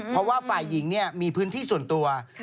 เพราะว่าฝ่ายหญิงมีพื้นที่ส่วนตัว